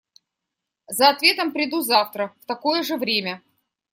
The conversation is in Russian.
За ответом приду завтра в такое же время.